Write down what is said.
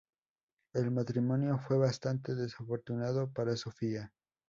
El matrimonio fue bastante desafortunado para Sofía.